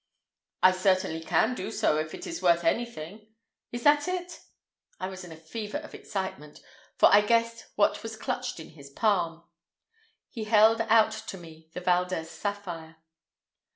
"I certainly can do so if it is worth anything. Is that it?" I was in a fever of excitement, for I guessed what was clutched in his palm. He held out to me the Valdez sapphire.